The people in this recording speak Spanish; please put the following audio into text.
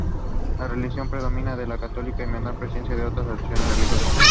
La religión predominante es la católica y con menor presencia otras asociaciones religiosas.